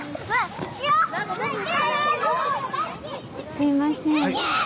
すいません。